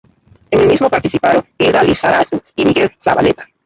En el mismo participaron Hilda Lizarazu y Miguel Zavaleta.